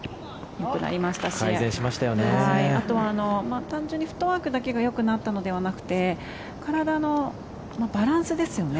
よくなりましたしあとは単純にフットワークだけがよくなっただけではなくて体のバランスですよね。